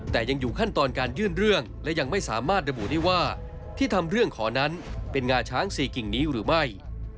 แต่ยังอยู่ขั้นตอนการยื่นเรื่องและยังไม่สามารถระบุได้ว่าที่ทำเรื่องขอนั้นเป็นงาช้าง๔กิ่งนี้หรือไม่